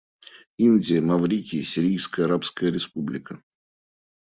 Индия, Маврикий, Сирийская Арабская Республика.